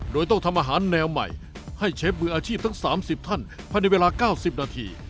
โดยต้องทำอาหารแนวใหม่ให้เชฟมืออาชีพทั้ง๓๐ท่านภายในเวลา๙๐นาที